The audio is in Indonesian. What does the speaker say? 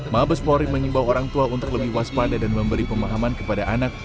mabes polri mengimbau orang tua untuk lebih waspada dan memberi pemahaman kepada anak